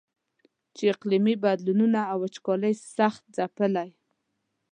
چې اقلیمي بدلونونو او وچکالۍ سخت ځپلی.